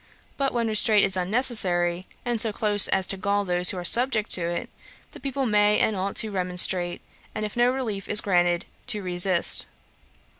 But when restraint is unnecessary, and so close as to gall those who are subject to it, the people may and ought to remonstrate; and, if relief is not granted, to resist.